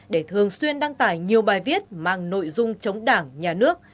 để thường xuyên đăng tải nhiều bài viết mang nội dung chống đảng nhà nước